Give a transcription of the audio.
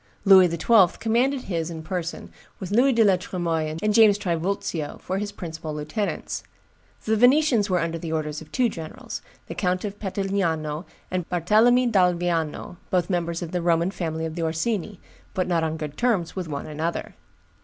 Louis XII. commanded his in person, with Louis de la Tremoille and James Trivulzio for his principal lieutenants; the Venetians were under the orders of two generals, the Count of Petigliano and Barthelemy d'Alviano, both members of the Roman family of the Orsini, but not on good terms with one another.